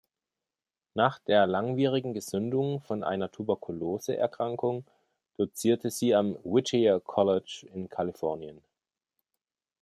Nach der langwierigen Gesundung von einer Tuberkuloseerkrankung dozierte sie am Whittier College in Kalifornien.